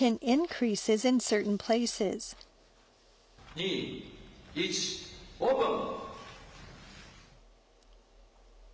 ２、１、オープン。